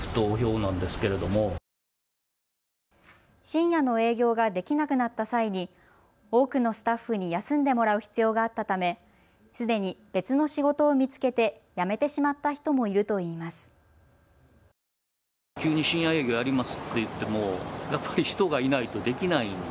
深夜の営業ができなくなった際に多くのスタッフに休んでもらう必要があったためすでに別の仕事を見つけて辞めてしまった人もいるといいます。